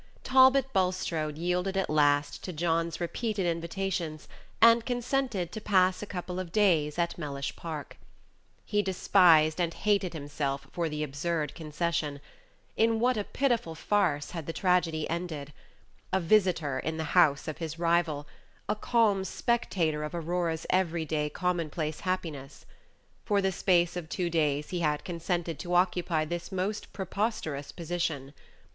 Talbot Bulstrode yielded at last to John's repeated invitations, and consented to pass a couple of days at Mellish Park. He despised and hated himself for the absurd concession. In what a pitiful farce had the tragedy ended! A visitor in the house of his rival a calm spectator of Aurora's everyday, commonplace happiness. For the space of two days he had consented to occupy this most preposterous position.